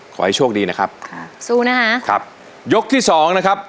ขอให้โชคดีนะครับค่ะสู้นะฮะครับยกที่สองนะครับ